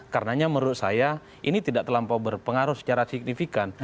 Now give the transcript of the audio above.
karenanya menurut saya ini tidak terlampau berpengaruh secara signifikan